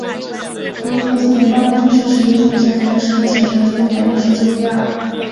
俄罗斯联邦的军事实力目前仍然是继承苏联的世界第二。